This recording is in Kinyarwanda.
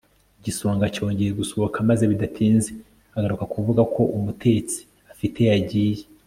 igisonga cyongeye gusohoka maze bidatinze agaruka kuvuga ko umutetsi afite yagiye